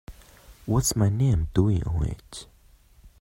What's my name doing on it?